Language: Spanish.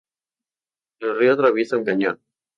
El río atraviesa un cañón.